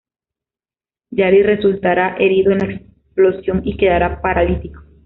Yali resultará herido en la explosión y quedará paralítico.